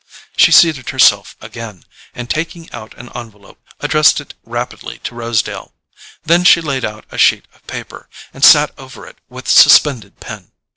She seated herself again, and taking out an envelope, addressed it rapidly to Rosedale. Then she laid out a sheet of paper, and sat over it with suspended pen.